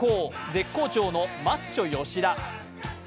絶好調のマッチョ吉田。